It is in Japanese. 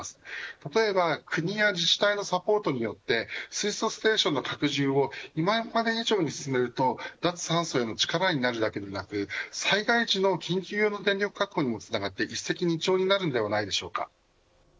例えば、国や自治体のサポートによって水素ステーションの拡充を今まで以上に進めると脱炭素への力になるだけでなく災害時の緊急用の電力確保にもつながって一石二鳥になるんのではないでしょうか。